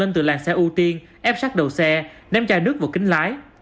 anh tú đã làm xe ô tiên ép sát đầu xe ném chai nước vào kính lái